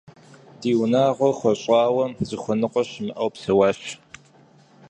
Ди унагъуэр хуэщӀауэ, зыхуэныкъуэ щымыӀэу псэуащ.